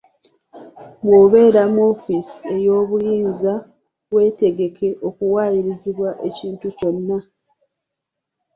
Bw'obeera mu woofiisi ey'obuyinza weetegeke okuwaayirizibwa ekintu kyonna.